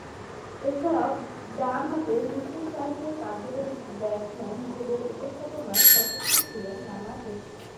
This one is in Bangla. এছাড়াও, ডানহাতে নিচেরসারিতে কার্যকরী ব্যাটসম্যান হিসেবে উপস্থাপনায় সচেষ্ট ছিলেন নানা জোশী।